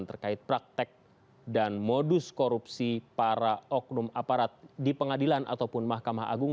terkait praktek dan modus korupsi para oknum aparat di pengadilan ataupun mahkamah agung